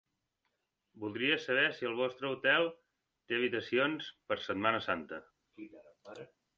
Voldria saber si el vostre hotel té habitacions per setmana santa.